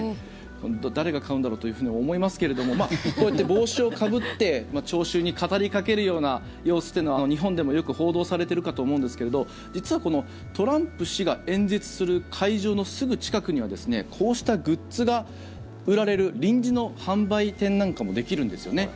本当、誰が買うんだろうと思いますけれどもこうやって帽子をかぶって聴衆に語りかけるような様子というのは日本でもよく報道されてるかと思うんですけど実はこのトランプ氏が演説する会場のすぐ近くにはこうしたグッズが売られる臨時の販売店なんかもできるんですよね。